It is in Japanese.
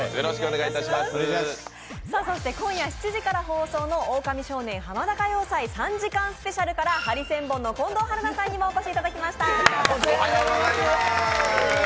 今夜７時から放送の「ハマダ歌謡祭」３時間スペシャルからハリセンボンの近藤春菜さんにもお越しいただきました。